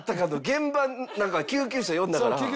現場なんか救急車呼んだから。